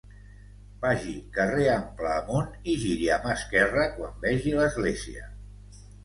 Vagi carrer Ample amunt i giri a mà esquerra quan vegi l'església.